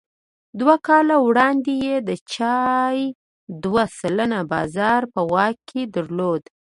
دوه کاله وړاندې یې د چای دوه سلنه بازار په واک کې درلود.